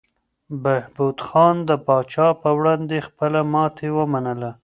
بهبود خان د پاچا په وړاندې خپله ماتې ومنله.